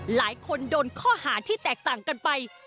หลายคนโดนข้อหาที่แตกต่างกันไป